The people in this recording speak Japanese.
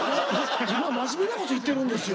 今真面目なこと言ってるんですよ。